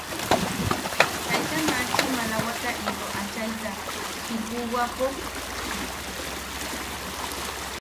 ¿Jaisa machi maalawata into achaita jipuwapo?